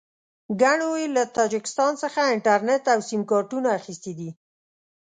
ګڼو یې له تاجکستان څخه انټرنېټ او سیم کارټونه اخیستي دي.